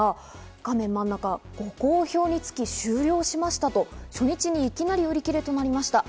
画面真ん中、ご好評につき終了しましたと初日にいきなり売り切れとなりました。